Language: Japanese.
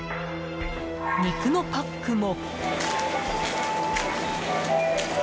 肉のパックも。